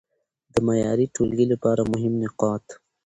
د معياري ټولګي لپاره مهم نقاط: